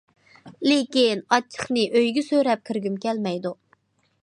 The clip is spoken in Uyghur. لېكىن ئاچچىقنى ئۆيگە سۆرەپ كىرگۈم كەلمەيدۇ.